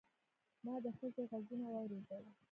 ما د ښځې غږونه واورېدل.